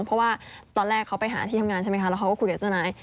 เพราะว่าตอนแรกเขาไปหาที่ทำงานใช่ไหมคะแล้วเขาก็คุยกับเจ้านาย